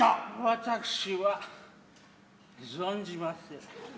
私は存じませぬ。